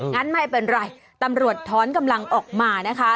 งั้นไม่เป็นไรตำรวจท้อนกำลังออกมานะคะ